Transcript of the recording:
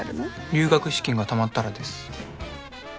留学資金がたまったらです